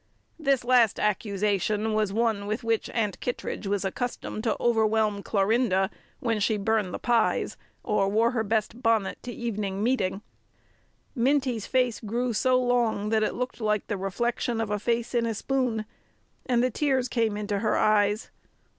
This last accusation was one with which Aunt Kittredge was accustomed to overwhelm Clorinda when she burned the pies or wore her best bonnet to evening meeting. Minty's face grew so long that it looked like the reflection of a face in a spoon, and the tears came into her eyes.